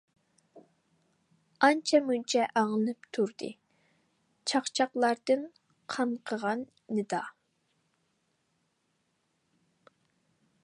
ئانچە-مۇنچە ئاڭلىنىپ تۇردى، چاقچاقلاردىن قاڭقىغان نىدا.